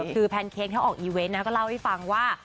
คือแพนเค้กเขาออกอีเวนต์นะก็เล่าให้ฟังว่า